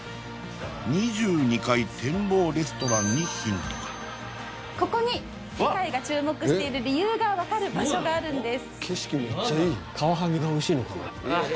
２２階展望レストランにヒントがここに世界が注目している理由が分かる場所があるんです何だ？